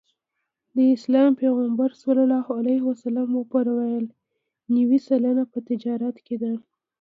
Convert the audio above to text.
د اسلام پیغمبر ص وفرمایل نوې سلنه په تجارت کې ده.